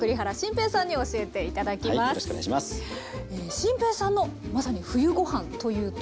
心平さんのまさに「冬ごはん」というと？